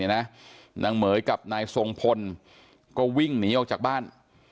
นางเหม๋ยกับนายทรงพลก็วิ่งหนีออกจากบ้าน